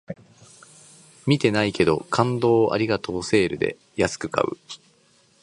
見てないけど、感動をありがとうセールで安く買う